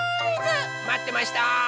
まってました！